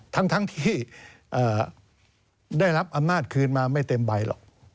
ทั้งที่ได้รับอำนาจคืนมาไม่เต็มใบหรอก